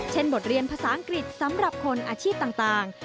บทเรียนภาษาอังกฤษสำหรับคนอาชีพต่าง